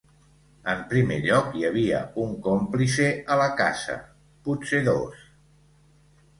En primer lloc, hi havia un còmplice a la casa, potser dos.